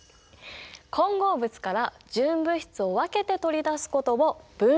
混合物から純物質を分けて取り出すことを分離っていうんだよ。